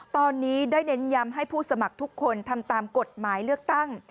ตอนนี้ได้เน้นย้ำให้ผู้สมัครทุกคนทำตามกฎหมายเลือกตั้ง